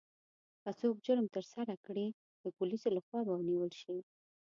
که څوک جرم ترسره کړي، د پولیسو لخوا به ونیول شي.